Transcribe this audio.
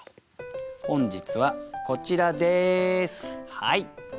本日はこちらです。